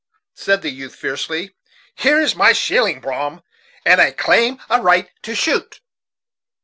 said the youth fiercely. "Here is my shilling, Brom, and I claim a right to shoot."